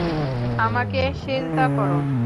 আমাকে সেজদা করো।